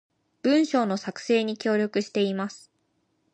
文章の作成に協力しています